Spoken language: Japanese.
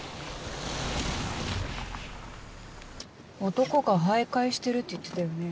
男が徘徊してるって言ってたよね。